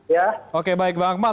ya oke baik bang akmal